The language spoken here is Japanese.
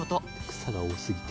草が多すぎて。